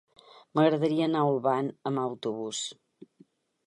M'agradaria anar a Olvan amb autobús.